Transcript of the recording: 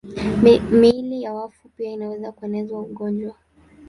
Miili ya wafu pia inaweza kueneza ugonjwa.